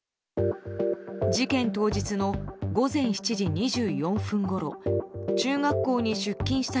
事件当日の午前７時２４分ごろ中学校に出勤した